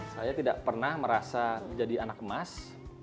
saya tidak pernah merasa jadi anak emas